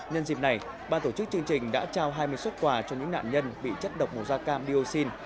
nhân dịp này ba tổ chức chương trình đã trao hai mươi xuất quà cho những nạn nhân bị chất độc màu da cam dioxin